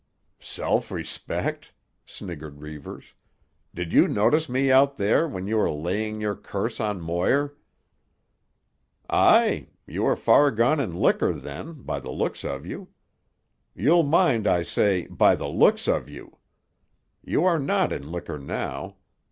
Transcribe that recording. "Self respect?" sniggered Reivers. "Did you notice me out there when you were laying your curse on Moir?" "Aye. You were far gone in liquor then—by the looks of you. You'll mind I say 'by the looks of you.' You are not in liquor now.